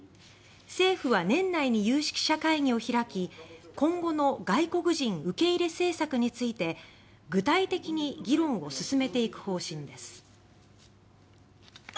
政府は年内に有識者会議を開き今後の外国人受け入れ政策について具体的に議論を進めていく方針です。